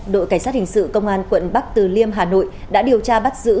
đội cảnh sát hình sự công an quận bắc từ liêm hà nội đã điều tra bắt giữ